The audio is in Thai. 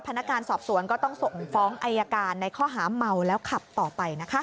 พนักงานสอบสวนก็ต้องส่งฟ้องอายการในข้อหาเมาแล้วขับต่อไปนะคะ